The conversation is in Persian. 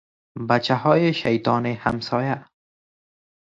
بچه های شیطان همسایه